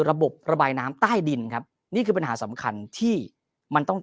ระบบระบายน้ำใต้ดินครับนี่คือปัญหาสำคัญที่มันต้อง